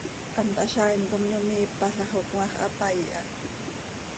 Hant hazaain com yomiipala xo cmaax hapaii ha.